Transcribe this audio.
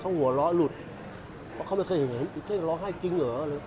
เขาหัวเราะหลุดเพราะเขาไม่เคยเห็นอีเท่ร้องไห้จริงเหรอ